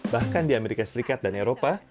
bahkan di amerika serikat dan eropa